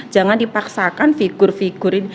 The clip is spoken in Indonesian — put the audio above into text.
jangan dipaksakan figur figur